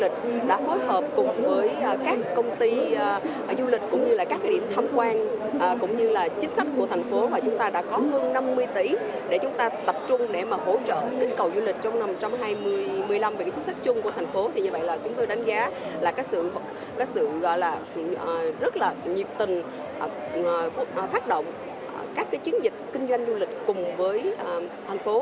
chúng tôi rất là nhiệt tình phát động các chiến dịch kinh doanh du lịch cùng với thành phố